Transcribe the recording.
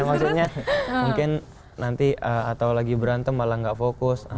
maksudnya mungkin nanti atau lagi berantem malah nggak fokus